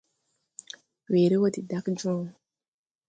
Weere wɔ de dag jõõ.